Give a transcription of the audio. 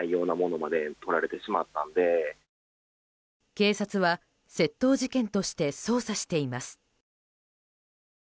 警察は窃盗事件として捜査しています。